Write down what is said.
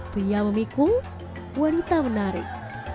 pria memikul wanita menarik